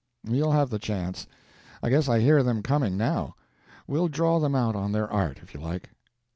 "You'll have the chance. I guess I hear them coming, now. We'll draw them out on their art, if you like."